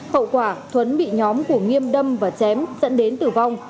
hậu quả thuấn bị nhóm của nghiêm đâm và chém dẫn đến tử vong